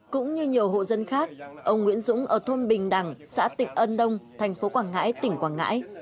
cũng như nhiều hộ dân khác ông nguyễn dũng ở thôn bình đẳng xã tịnh ân đông thành phố quảng ngãi tỉnh quảng ngãi